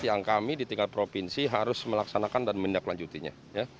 yang kami di tingkat provinsi harus melaksanakan dan menindaklanjutinya